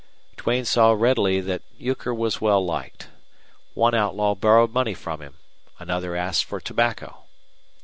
Duane saw readily that Euchre was well liked. One outlaw borrowed money from him: another asked for tobacco.